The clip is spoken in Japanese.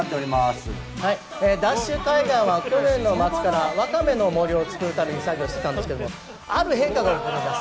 海岸は、去年の末からワカメの森をつくるために作業していたんですけれども、ある変化が起こります。